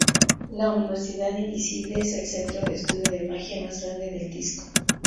La Universidad Invisible es el centro de estudio de magia más grande del Disco.